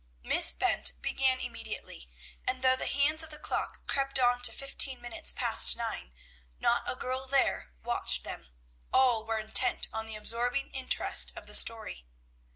'" Miss Bent began immediately, and though the hands of the clock crept on to fifteen minutes past nine, not a girl there watched them; all were intent on the absorbing interest of the story.